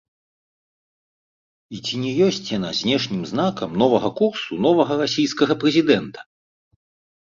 І ці не ёсць яна знешнім знакам новага курсу новага расійскага прэзідэнта?